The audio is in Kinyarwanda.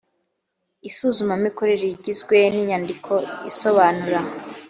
isuzumamikorere rigizwe n inyandiko isobanura